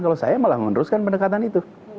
kalau saya malah meneruskan pendekatan itu